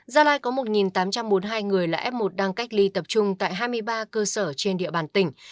gia lai có một tám trăm bốn mươi hai người là f một đang cách ly tập trung tại hai mươi ba cơ sở trên địa bàn tỉnh